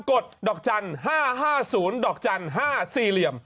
กดดอกจันทร์๕๕๐๕๔เหลี่ยม